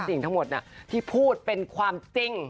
สิ่งทั้งหมดที่พูดเป็นความจริง